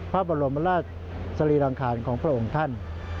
พระบรมราชสรีรังคารของพระองค์ท่าน